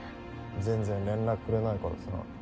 全然連絡くれないからさ。